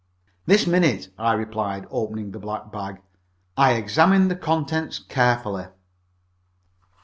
"This minute," I replied, opening the black bag. I examined the contents carefully.